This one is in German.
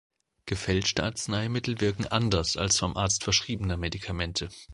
Gefälschte Arzneimittel wirken anders als vom Arzt verschriebene Medikamente.